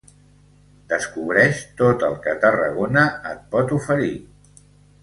Descobreix tot el que Tarragona et pot oferir!